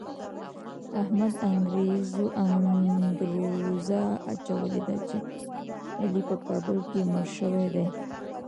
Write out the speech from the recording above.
احمد انګروزه اچولې ده چې علي په کابل کې مړ شوی دی.